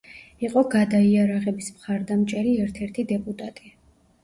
იყო „გადაიარაღების“ მხარდამჭერი ერთ-ერთი დეპუტატი.